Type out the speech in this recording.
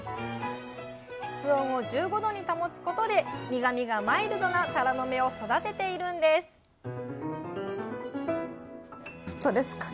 室温を１５℃に保つことで苦みがマイルドなタラの芽を育てているんです